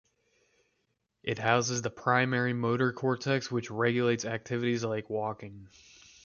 It houses the primary motor cortex which regulates activities like walking.